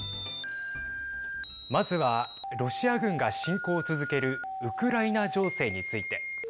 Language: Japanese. まずはロシア軍が侵攻を続けるウクライナ情勢について。